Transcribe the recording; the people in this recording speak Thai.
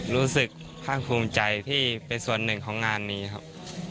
รู้สึกภาคภูมิใจที่เป็นส่วนหนึ่งของงานนี้ครับ